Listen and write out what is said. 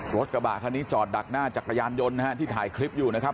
รถกระบะคันนี้จอดดักหน้าจักรยานยนต์นะฮะที่ถ่ายคลิปอยู่นะครับ